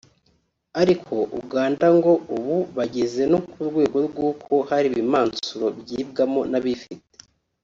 ariko Uganda ngo ubu bageze no ku rwego rw’uko hari ibimansuro bigibwamo n’abifite